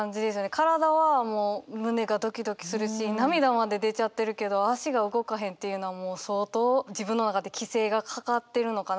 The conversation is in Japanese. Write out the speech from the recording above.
体はもう胸がドキドキするし涙まで出ちゃってるけど足が動かへんっていうのはもう相当自分の中で規制がかかってるのかな？